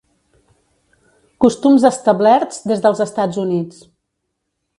Costums establerts des dels Estats Units.